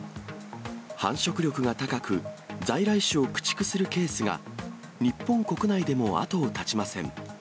繁殖力が高く、在来種を駆逐するケースが、日本国内でも後を絶ちません。